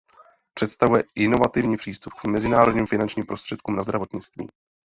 Představuje inovativní přístup k mezinárodním finančním prostředkům na zdravotnictví.